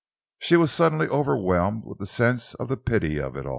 She was suddenly overwhelmed with a sense of the pity of it.